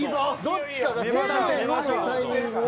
どっちかがせののタイミングを。